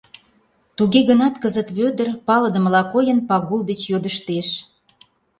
Туге гынат кызыт Вӧдыр, палыдымыла койын, Пагул деч йодыштеш.